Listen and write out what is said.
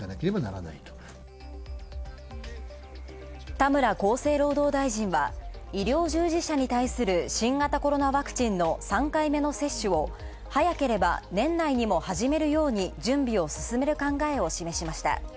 田村厚生労働大臣は、医療従事者に対する新型コロナワクチンの３回目の接種を早ければ年内にも始めるように準備を進める考えを示しました。